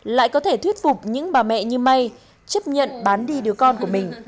lại có thể thuyết phục những bà mẹ như may chấp nhận bán đi đứa con của mình